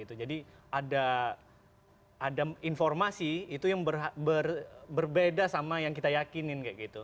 gitu jadi ada ada informasi itu yang berbeda sama yang kita yakinin kayak gitu